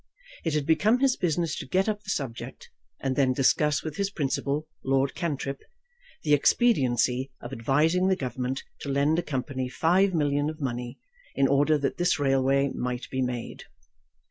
It had become his business to get up the subject, and then discuss with his principal, Lord Cantrip, the expediency of advising the Government to lend a company five million of money, in order that this railway might be made.